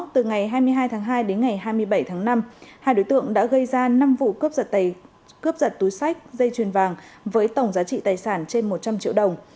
hai mươi bảy tháng năm hai đối tượng đã gây ra năm vụ cấp giật túi sách dây chuyền vàng với tổng giá trị tài sản trên một trăm linh triệu đồng